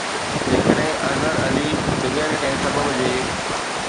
جيڪڏهن اظهر علي بغير ڪنهن سبب جي